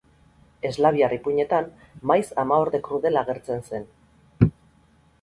Eslaviar ipuinetan maiz amaorde krudela agertzen zen.